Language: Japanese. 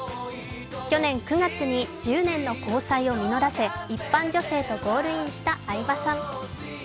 去年９月に１０年の交際を実らせ、一般女性と結婚した相葉さん。